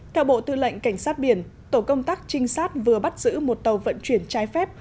theo bộ tư lệnh cảnh sát biển tổ công tác trinh sát vừa bắt giữ một tàu vận chuyển trái phép